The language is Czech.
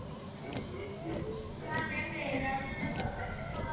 Účastnil se výpravy kolem světa s Francisem Drakem.